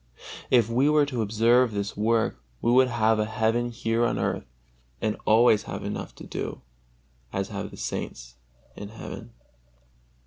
If we were to observe this work, we would have a heaven here on earth and always have enough to do, as have the saints in heaven.